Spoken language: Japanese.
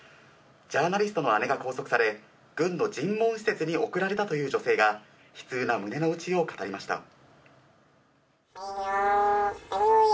ジャーナリストの姉が拘束され、軍の尋問施設に送られたという女性が悲痛な胸の内を語りました。